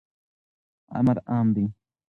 امر عام دی.